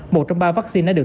một trong ba vaccine đã được